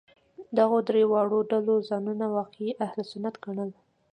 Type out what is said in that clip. دغو درې واړو ډلو ځانونه واقعي اهل سنت ګڼل.